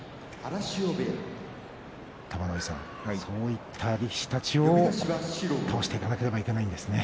玉ノ井さんそういった力士たちを倒していかなければいけないですね。